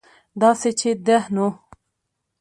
داسې چې ده نو